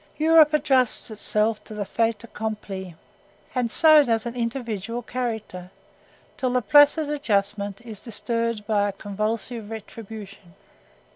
Europe adjusts itself to a fait accompli, and so does an individual character—until the placid adjustment is disturbed by a convulsive retribution.